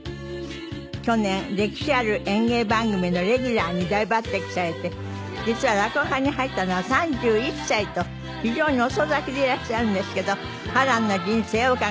去年歴史ある演芸番組のレギュラーに大抜擢されて実は落語家に入ったのは３１歳と非常に遅咲きでいらっしゃるんですけど波乱な人生を伺います。